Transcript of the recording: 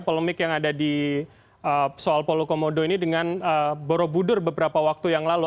polemik yang ada di soal polokomodo ini dengan borobudur beberapa waktu yang lalu